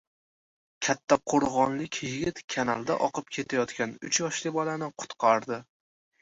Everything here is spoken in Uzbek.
Kattaqo‘rg‘onlik yigit kanalda oqib ketayotgan uch yoshli bolani qutqardi